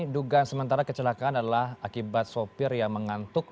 dugaan sementara kecelakaan adalah akibat sopir yang mengantuk